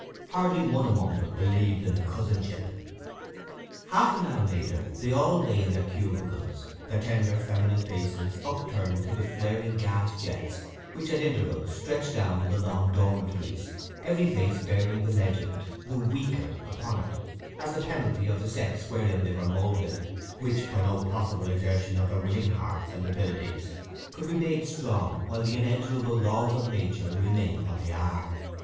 Hardly one among them believed in the cousinship. Half an hour later they all lay in their cubicles, their tender feminine faces upturned to the flaring gas jets which at intervals stretched down the long dormitories, every face bearing the legend "The Weaker" upon it, as the penalty of the sex wherein they were moulded, which by no possible exertion of their willing hearts and abilities could be made strong while the inexorable laws of nature remain what they are.